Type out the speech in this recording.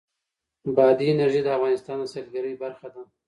بادي انرژي د افغانستان د سیلګرۍ برخه ده.